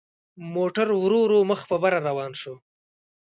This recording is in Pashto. موټر ورو ورو مخ په بره روان شو.